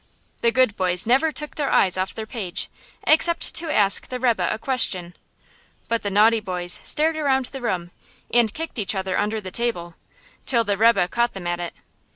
The good boys never took their eyes off their page, except to ask the rebbe a question; but the naughty boys stared around the room, and kicked each other under the table, till the rebbe caught them at it.